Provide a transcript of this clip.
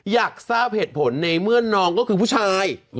อยากทราบเหตุผลในเมื่อน้องก็คือผู้ชาย